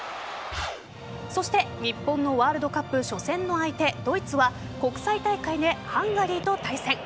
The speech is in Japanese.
そして日本のワールドカップ初戦の相手・ドイツは国際大会でハンガリーと対戦。